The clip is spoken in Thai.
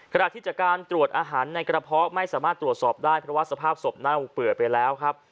ขณะที่จากการตรวจอาหารในกระเพาะไม่สามารถตรวจสอบได้เพราะว่าสภาพศพเน่าเปื่อยไปแล้วครับ